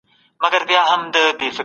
غړي په خپلو کاري ډلو کي مصروف دي.